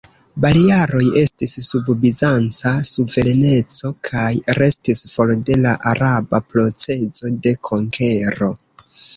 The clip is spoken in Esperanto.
Balearoj estis sub bizanca suvereneco, kaj restis for de la araba procezo de konkero.